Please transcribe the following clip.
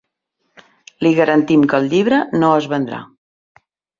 Li garantim que el llibre no es vendrà.